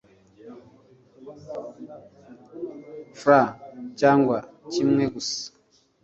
FRW cyangwa kimwe gusa